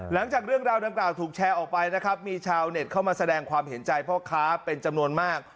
หลังจากเรื่องราวดังกล่าวถูกแชร์ออกไปนะครับมีชาวเน็ตเข้ามาแสดงความเห็นใจพ่อค้าเป็นจำนวนมาก